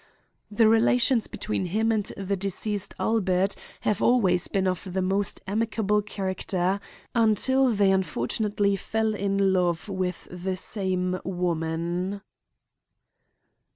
"The relations between him and the deceased Albert have always been of the most amicable character until they unfortunately fell in love with the same woman."